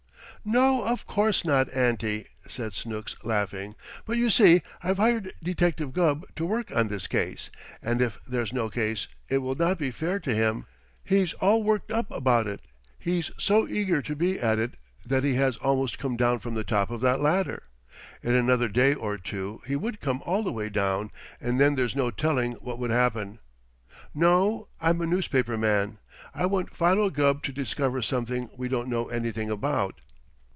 "No, of course not, auntie," said Snooks, laughing. "But you see, I've hired Detective Gubb to work on this case, and if there's no case, it will not be fair to him. He's all worked up about it. He's so eager to be at it that he has almost come down from the top of that ladder. In another day or two he would come all the way down, and then there's no telling what would happen. No, I'm a newspaper man. I want Philo Gubb to discover something we don't know anything about."